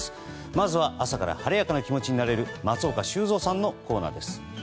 まずは、朝から晴れやかな気持ちになれる松岡修造さんのコーナーです。